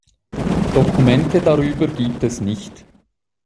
Dokumente darüber gibt es nicht.